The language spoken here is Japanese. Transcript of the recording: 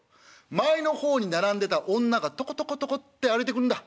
前の方に並んでた女がトコトコトコって歩いてくんだ。